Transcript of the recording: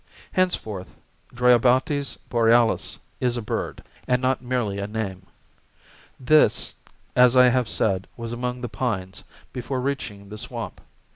Henceforth Dryobates borealis is a bird, and not merely a name. This, as I have said, was among the pines, before reaching the swamp.